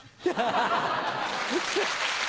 ハハハ！